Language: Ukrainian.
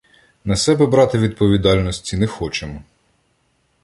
На себе брати відповідальності не хочемо.